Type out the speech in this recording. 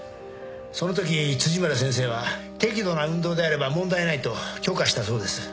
そのとき辻村先生は適度な運動であれば問題ないと許可したそうです。